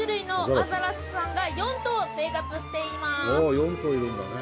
ああ４頭いるんだね。